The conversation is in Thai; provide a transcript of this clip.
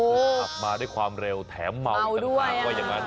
โอ้โหขับมาด้วยความเร็วแถมเมาจันทราบกว่าอย่างนั้น